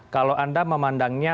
kalau anda memandangnya